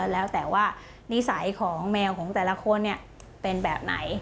แล้วแต่ว่านิสัยของแมวของแต่ละคนเป็นแบบไหน